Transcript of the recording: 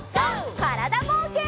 からだぼうけん。